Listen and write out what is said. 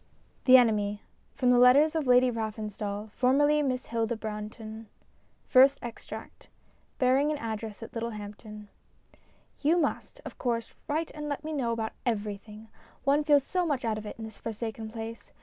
VII THE ENEMY (From the Letters of Lady Raffenstall> formerly Miss Hilda Bruntori} FIRST EXTRACT (Bearing an Address at Littlehamptori) You must, of course, write and let me know about everything. One feels so much out of it in this forsaken place.